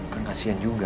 kan kasian juga